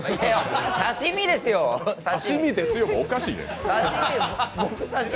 「刺身ですよ」もおかしい。